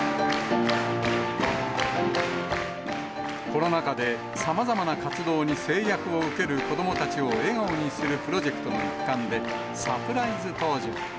コロナ禍でさまざまな活動に制約を受ける子どもたちを笑顔にするプロジェクトの一環で、サプライズ登場。